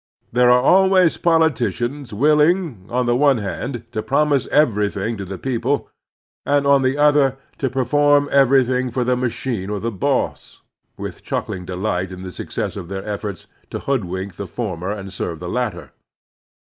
There are always politicians willing, on the one hand, to promise everjrthing to the people, and, on the other, to perform everything for the machine or the boss, with chuckling delight in the success of their efforts to hoodwink the former and serve the latter.